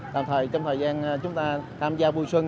trong thời gian chúng ta tham gia vui xuân